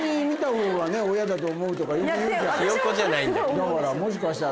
だからもしかしたら。